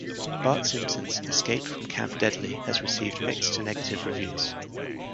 "Bart Simpson's Escape from Camp Deadly" has received mixed to negative reviews.